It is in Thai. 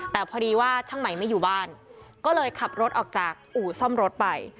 แต่พอดีว่าช่างใหม่ไม่อยู่บ้านก็เลยขับรถออกจากอู่ซ่อมรถไป